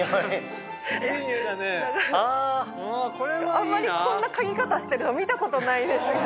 あんまりこんな嗅ぎ方してるの見たことないですけど。